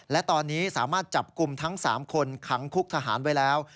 และตอนนี้สามารถจับกลุ่มทั้ง๓คนขังคุกทหารไว้แล้ว